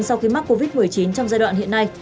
sau khi mắc covid một mươi chín trong giai đoạn hiện nay